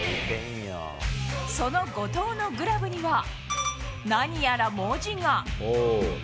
その後藤のグラブには、何やら文字が。